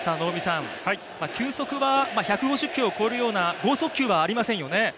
球速は１５０キロを超えるような剛速球はありませんよね？